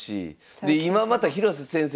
で今また広瀬先生